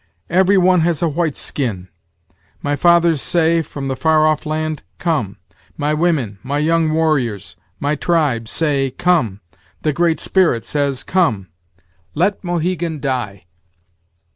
Every one has a white skin. My fathers say, from the far off land, Come. My women, my young warriors, my tribe, say, Come. The Great Spirit says, Come. Let Mohegan die."